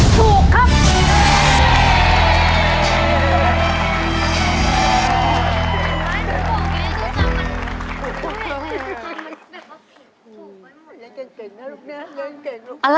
หรอกหรอกหรอก